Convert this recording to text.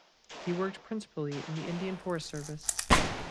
He worked principally in the Indian Forest Service.